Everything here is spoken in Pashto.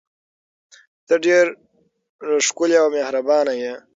ته ډیره ښکلې او مهربانه یې.